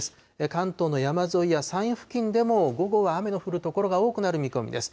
関東の山沿いや山陰付近でも午後は雨の降る所が多くなる見込みです。